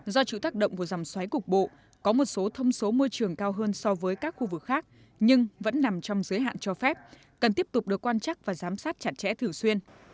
do chịu tác động của dòng xoáy cục bộ có một số thông số môi trường cao hơn so với các khu vực khác nhưng vẫn nằm trong giới hạn cho phép cần tiếp tục được quan chắc và giám sát chặt chẽ thường xuyên